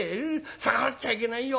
逆らっちゃいけないよ」。